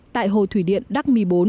tại hồ thủy điện đắc my bốn